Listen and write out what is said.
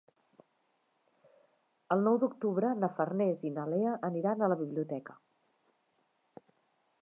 El nou d'octubre na Farners i na Lea aniran a la biblioteca.